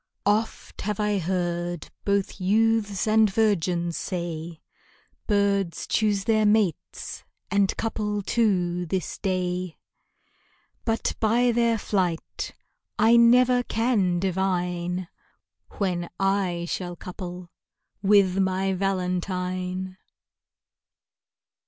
Oft have I heard both youths and virgins say Birds choose their mates, and couple too this day; But by their flight I never can divine When I shall couple with my valentine.